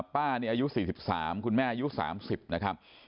ป้านี่อายุ๔๓คุณแม่อายุ๓๐นะครับ